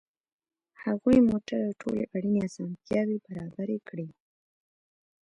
هغوی موټر او ټولې اړینې اسانتیاوې برابرې کړې